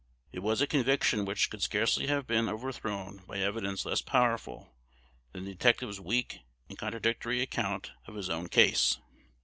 It was a conviction which could scarcely have been overthrown by evidence less powerful than the detective's weak and contradictory account of his own case.